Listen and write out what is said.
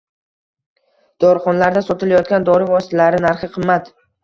Dorixonalarda sotilayotgan dori vositalari narxi qimmat.